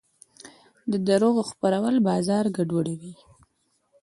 د دروغو خپرول بازار ګډوډوي.